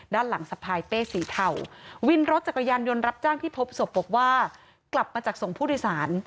ด้านหลังสะพายเป้สีเทาวินรถจักรยานยนต์รับจ้างที่พบศพบอกว่ากลับมาจากส่งผู้โดยสาร